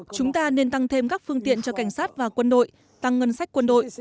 chúng ta nên tăng thêm các phương tiện cho cảnh sát và quân đội tăng ngân sách quân đội